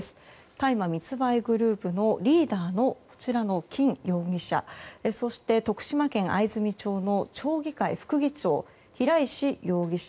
大麻密売グループのリーダーの金容疑者そして徳島県藍住町の町議会副議長平石容疑者。